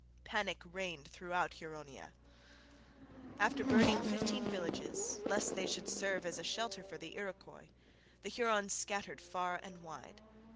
Panic reigned throughout Huronia. After burning fifteen villages, lest they should serve as a shelter for the Iroquois, the Hurons scattered far and wide.